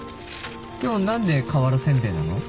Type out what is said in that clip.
今日何で瓦せんべいなの？